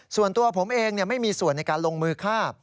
ส่วนตัวผมเองไม่มีส่วนในการลงมือฆ่า